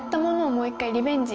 もう一回リベンジ